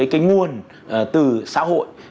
cái nguồn từ xã hội